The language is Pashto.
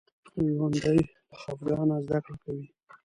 ژوندي له خفګانه زده کړه کوي